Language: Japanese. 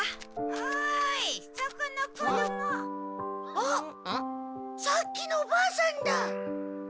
あっさっきのおばあさんだ。